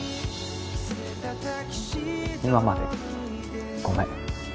今までごめん